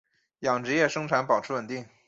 养殖业生产保持稳定。